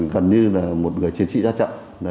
gần như là một người chiến trị ra chậm